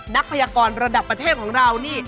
พยากรระดับประเทศของเรานี่